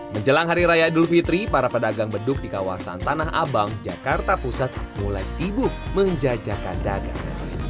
menjelang hari raya idul fitri para pedagang beduk di kawasan tanah abang jakarta pusat mulai sibuk menjajakan dagang